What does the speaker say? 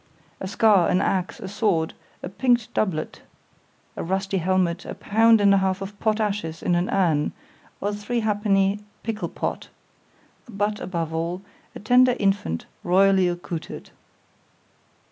A scar, an axe, a sword, a pink'd doublet, a rusty helmet, a pound and a half of pot ashes in an urn, or a three halfpenny pickle pot—but above all, a tender infant royally accoutred.